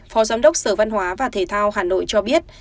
phó giám đốc sở văn hóa và thể thao hà nội cho biết